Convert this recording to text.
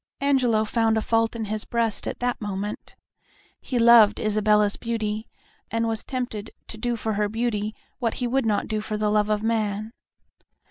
Angelo found a fault in his breast at that moment. He loved Isabella's beauty, and was tempted to do for her beauty what he would not do for the love of man.